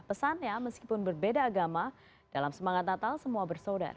pesannya meskipun berbeda agama dalam semangat natal semua bersaudara